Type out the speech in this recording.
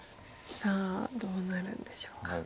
さあどうなるんでしょうか。